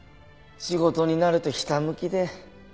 仕事になるとひた向きで。